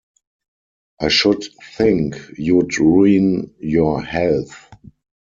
I should think you'd ruin your health.